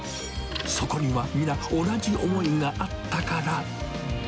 そこには皆、同じ思いがあったから。